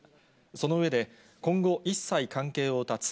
その上で、今後、一切関係を断つ。